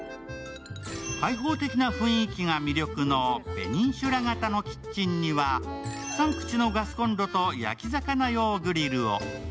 開放的な雰囲気が魅力のペニンシュラ型のキッチンには３口のガスコンロと焼き魚用グリルを。